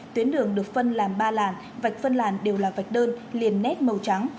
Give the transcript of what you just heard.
tuyến đường được phân làm ba làn vạch phân làn đều là vạch đơn liền nết màu trắng